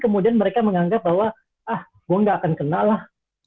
mereka menganggap bahwa ah gue nggak akan kena lah